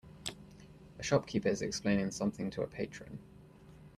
A shopkeeper is explaining something to a patron.